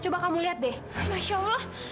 coba kamu lihat deh